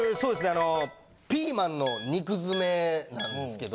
あのピーマンの肉詰めなんですけど。